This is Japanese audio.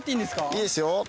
いいですよ